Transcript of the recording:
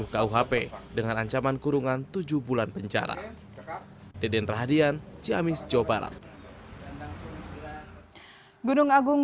satu ratus tujuh puluh kuhp dengan ancaman kurungan tujuh bulan penjara deden rahadian jamis jawa barat gunung